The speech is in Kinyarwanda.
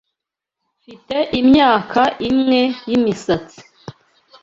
Mfite imyaka imwe yimisatsi.